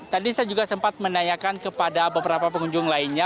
tadi saya juga sempat menanyakan kepada beberapa pengunjung lainnya